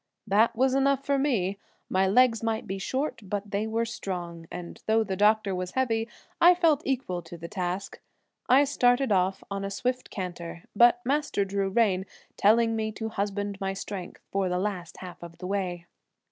That was enough for me; my legs might be short but they were strong, and though the doctor was heavy I felt equal to the task. I started off on a swift canter but Master drew rein, telling me to husband my strength for the last half of the way.